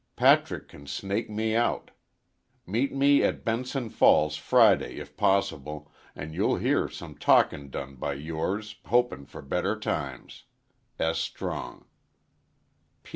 Patrick can snake me out. Meet me at Benson Falls Friday if possibul an' youll heare some talkin' done by yours hopin fer better times, "S. Strong.